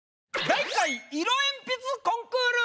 「第１回色鉛筆コンクール２０２２」！